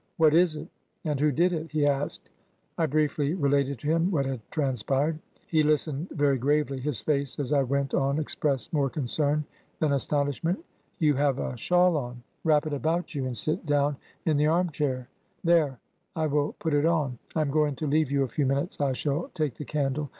'What is it and who did it?' he asked. ... I briefly related to him what had transpired. ... He listened very gravely ; his face as I went on expressed more concern than astonishment. ... 'You have a shawl on? ... Wrap it about you, and sit down L F 225 Digitized by VjOOQIC HEROINES OF FICTION in the arm chair; there — ^I will put it on. ... I am going to leave you a few minutes. I shall take the candle.